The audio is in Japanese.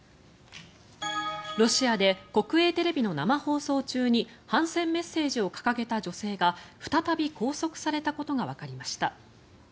ロシアで国営テレビの生放送中に反戦メッセージを掲げた女性が再び拘束されたことがわかりました。